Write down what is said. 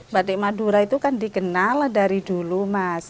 batik madura itu kan dikenal dari dulu mas